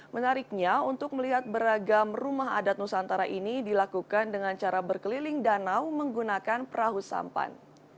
menariknya untuk melihat beragam rumah adat nusantara ini dilakukan dengan cara berkeliling danau menggunakan perahu sampan